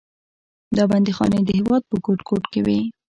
دا بندیخانې د هېواد په ګوټ ګوټ کې وې.